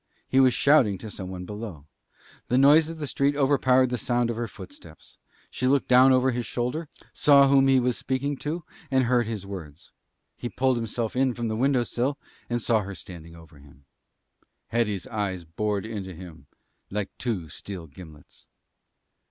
He was shouting to some one below. The noise of the street overpowered the sound of her footsteps. She looked down over his shoulder, saw whom he was speaking to, and heard his words. He pulled himself in from the window sill and saw her standing over him. Hetty's eyes bored into him like two steel gimlets.